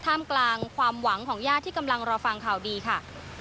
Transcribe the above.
กลางความหวังของญาติที่กำลังรอฟังข่าวดีค่ะ